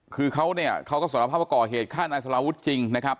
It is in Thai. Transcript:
คือเขาก็สลภาพว่าก่อเหตุฆ่านายสลาวุฒิจริงนะครับ